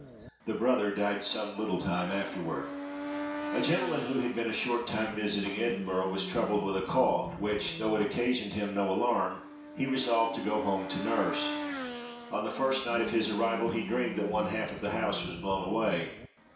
The brother died some little time afterward. A gentleman who had been a short time visiting Edinburgh, was troubled with a cough, which, though it occasioned him no alarm, he resolved to go home to nurse. On the first night of his arrival he dreamed that one half of the house was blown away.